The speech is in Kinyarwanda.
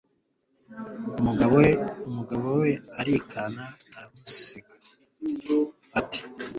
umugabo we elikana aramubaza ati